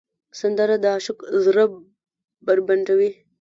سندره د عاشق زړه بربنډوي